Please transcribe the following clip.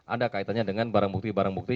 ada kaitannya dengan barang bukti barang bukti